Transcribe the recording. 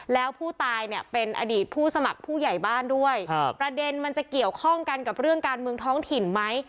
แล้วผู้ตายเนี่ยเป็นอดีตผู้สมัครผู้ใหญ่บ้านด้วยประเด็นมันจะเกี่ยวข้องกันกับเรื่องการเมืองท้องถิ่นไหม